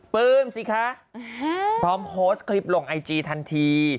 ปลื้มสิคะพร้อมโพสต์คลิปลงไอจีทันที